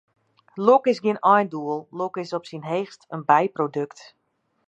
Lok is gjin eindoel, lok is op syn heechst in byprodukt.